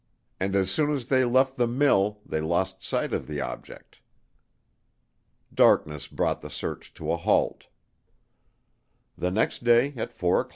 And, as soon as they left the mill they lost sight of the object. Darkness brought the search to a halt. The next day at 4:00P.